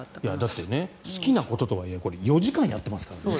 だって好きなこととはいえこれ、４時間やってますからね。